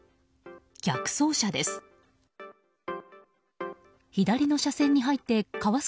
逆走車です。